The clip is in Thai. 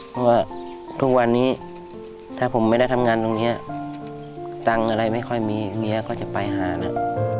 เพราะว่าทุกวันนี้ถ้าผมไม่ได้ทำงานตรงนี้ตังค์อะไรไม่ค่อยมีเมียก็จะไปหานะ